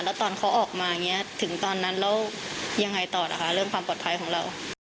แล้วตอนเขาออกมาอย่างนี้ถึงตอนนั้นแล้วยังไงต่อล่ะคะเรื่องความปลอดภัยของเรา